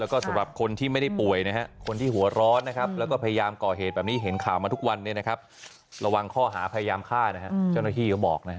ก็สำหรับคนที่ไม่ได้ป่วยนะฮะคนที่หัวร้อนแล้วก็พยายามก่อเหตุแบบนี้